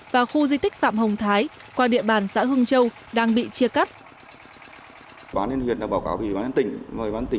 và khu di tích phạm hồng thái qua địa bàn xã hưng châu đang bị chia cắt